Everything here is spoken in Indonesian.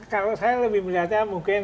kalau saya lebih melihatnya mungkin